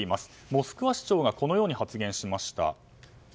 モスクワ市長がこのように発言しました。